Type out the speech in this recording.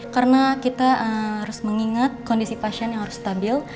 karena kita harus mengingat kondisi pasien yang harus stabil